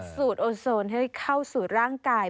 สูตรโอโซนให้เข้าสู่ร่างกาย